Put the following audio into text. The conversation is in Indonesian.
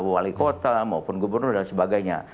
wali kota maupun gubernur dan sebagainya